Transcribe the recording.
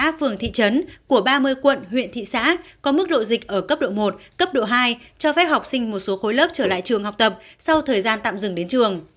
các phường thị trấn của ba mươi quận huyện thị xã có mức độ dịch ở cấp độ một cấp độ hai cho phép học sinh một số khối lớp trở lại trường học tập sau thời gian tạm dừng đến trường